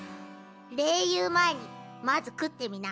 礼言う前にまず食ってみな。